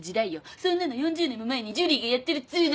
そんなの４０年も前にジュリーがやってるっつうの。